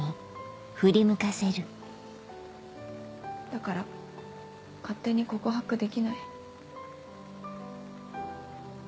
だから勝手に告白できない。